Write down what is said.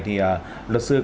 thì lực sư có thể nói là